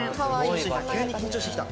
急に緊張してきた。